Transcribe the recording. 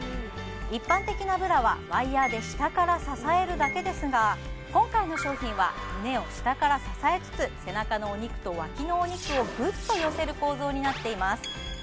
一般的なブラはワイヤーで下から支えるだけですが今回の商品は胸を下から支えつつ背中のお肉と脇のお肉をぐっと寄せる構造になっています